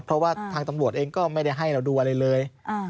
เพราะว่าทางตำรวจเองก็ไม่ได้ให้เราดูอะไรเลย